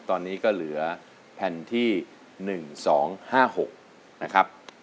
ตอนนี้ก็เหลือแผ่นที่๑๒๕๖นะครับ